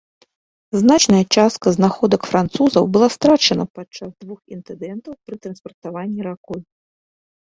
Значная частка знаходак французаў была страчана падчас двух інцыдэнтаў пры транспартаванні ракой.